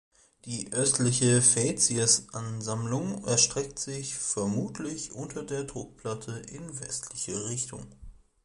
Die östliche Fazies-Ansammlung erstreckt sich vermutlich unter der Druckplatte in westlicher Richtung.